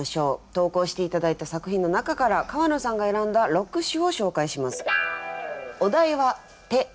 投稿して頂いた作品の中から川野さんが選んだ６首を紹介します。